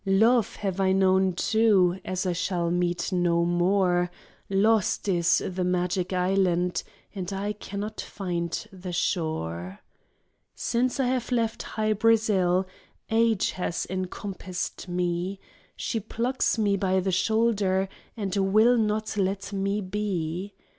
Love have I known, too, As I shall meet no more ; Lost is the magic island, And I cannot find the shore. Since I have left Hy Brasail, Age has encompassed me. She plucks me by the shoulder And will not let mc be.